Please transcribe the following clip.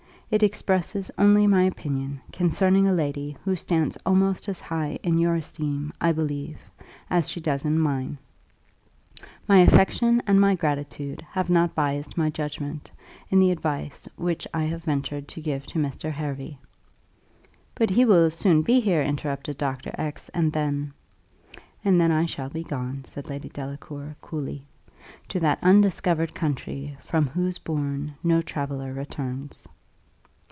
It expresses only my opinion concerning a lady who stands almost as high in your esteem, I believe, as she does in mine. My affection and my gratitude have not biassed my judgment in the advice which I have ventured to give to Mr. Hervey." "But he will soon be here," interrupted Dr. X , "and then " "And then I shall be gone," said Lady Delacour, coolly, "'To that undiscover'd country, From whose bourn no traveller returns.